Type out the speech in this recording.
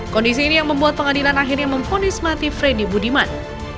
kondisi ini yang membuat pengadilan akhirnya mempunismati freddy budiman